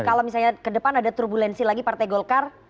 kalau misalnya ke depan ada turbulensi lagi partai golkar